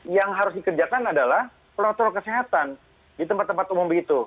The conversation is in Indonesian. yang harus dikerjakan adalah protokol kesehatan di tempat tempat umum begitu